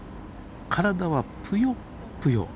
体はぷよっぷよ。